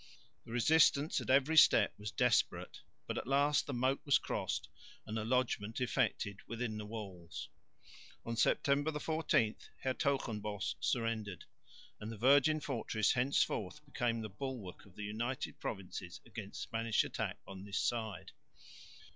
The resistance at every step was desperate, but at last the moat was crossed and a lodgment effected within the walls. On September 14 Hertogenbosch surrendered; and the virgin fortress henceforth became the bulwark of the United Provinces against Spanish attack on this side.